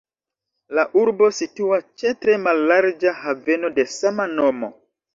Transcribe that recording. La urbo situas ĉe tre mallarĝa haveno de sama nomo.